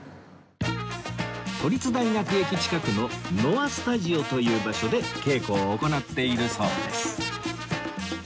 都立大学駅近くのノアスタジオという場所で稽古を行っているそうです